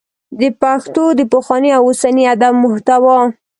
د پښتو د پخواني او اوسني ادب محتوا